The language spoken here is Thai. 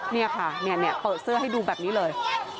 นี่ค่ะเปิดเสื้อให้ดูแบบนี้เลย